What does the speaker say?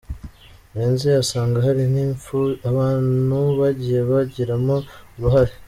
Murenzi asanga hari n’impfu abantu bagiye bagiramo uruhare.